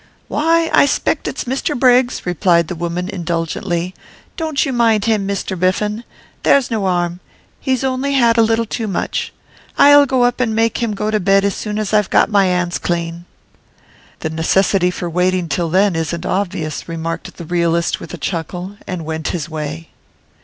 'Why, I 'spect it's Mr Briggs,' replied the woman, indulgently. 'Don't you mind him, Mr Biffen. There's no 'arm: he's only had a little too much. I'll go up an' make him go to bed as soon as I've got my 'ands clean.' 'The necessity for waiting till then isn't obvious,' remarked the realist with a chuckle, and went his way.